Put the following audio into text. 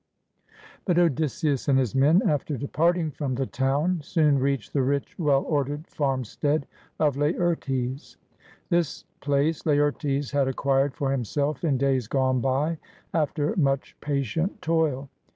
] But Odysseus and his men, after departing from the town, soon reached the rich well ordered farmstead of Laertes. This place Laertes had acquired for himself in days gone by, after much patient toil.